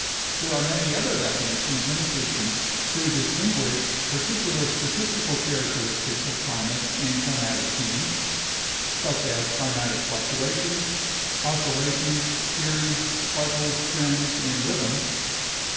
There are many other definitions in existence to distinguish particular statistical characteristics of climate and climatic change (such as climatic fluctuations, oscillations, periods, cycles, trends, and rhythms).